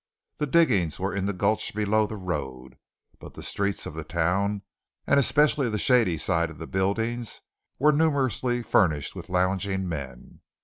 The diggings were in the gulch below the road; but the streets of the town, and especially the shady sides of the buildings, were numerously furnished with lounging men.